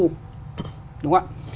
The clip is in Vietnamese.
đúng không ạ